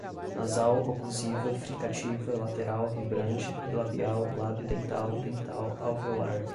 Nasal, oclusiva, fricativa, lateral, vibrante, bilabial, labio-dental, dental, alveolar